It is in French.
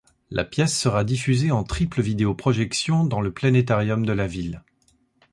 La pièce sera diffusée en triple vidéo projection dans le planétarium de la ville.